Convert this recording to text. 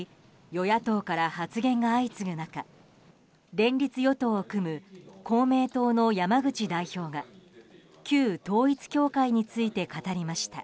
与野党から発言が相次ぐ中連立与党を組む公明党の山口代表が旧統一教会について語りました。